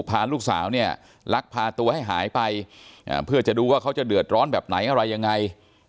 พาลูกสาวเนี่ยลักพาตัวให้หายไปเพื่อจะดูว่าเขาจะเดือดร้อนแบบไหนอะไรยังไง